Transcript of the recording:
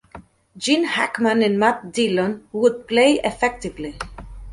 Gene Hackman and Matt Dillon would play effectively.